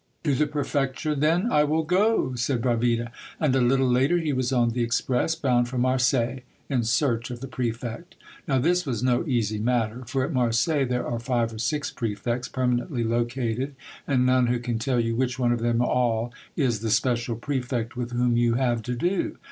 " To the prefecture, then, I will go," said Bravida ; and a little later he was on the express, bound for Marseilles, in search of the prefect. Now this was no easy matter, for at Marseilles there are five or six prefects permanently located, and none who can tell you which one of them all is the special prefect with whom you have to do.